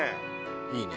いいね。